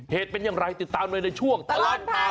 เหตุเป็นอย่างไรติดตามเลยในช่วงตลอดข่าว